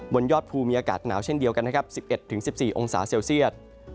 ยอดภูมิมีอากาศหนาวเช่นเดียวกันนะครับ๑๑๑๔องศาเซลเซียต